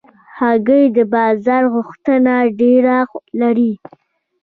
هګۍ د بازار غوښتنه ډېره لري.